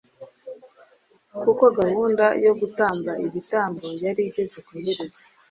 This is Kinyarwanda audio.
kuko gahunda yo gutamba ibitambo yari igeze ku iherezo